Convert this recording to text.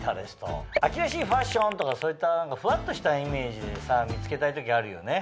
「秋らしいファッション」とかそういったふわっとしたイメージでさ見つけたい時あるよね。